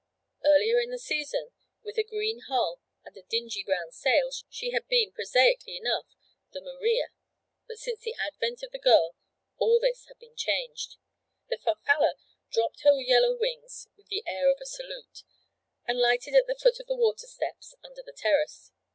Earlier in the season, with a green hull and a dingy brown sail, she had been, prosaically enough, the Maria. But since the advent of the girl all this had been changed. The Farfalla dropped her yellow wings with the air of a salute, and lighted at the foot of the water steps under the terrace.